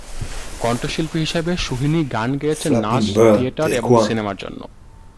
কন্ঠশিল্পী হিসেবে, সোহিনী গান গেয়েছেন নাচ, থিয়েটার এবং সিনেমার জন্য।